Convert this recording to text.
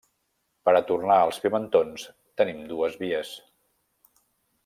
Per a torrar els pimentons tenim dos vies.